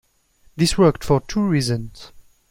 This worked for two reasons.